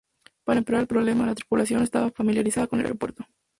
Para empeorar el problema la tripulación no estaba familiarizada con el aeropuerto.